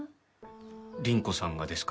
倫子さんがですか？